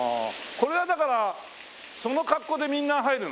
これはだからその格好でみんな入るの？